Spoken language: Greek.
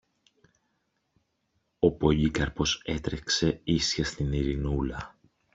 Ο Πολύκαρπος έτρεξε ίσια στην Ειρηνούλα.